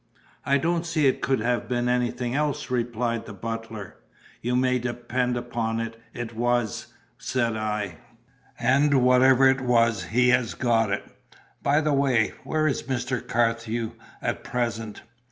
"I don't see it could have been anything else," replied the butler. "You may depend upon it it was," said I. "And whatever it was, he has got it. By the way, where is Mr. Carthew at present?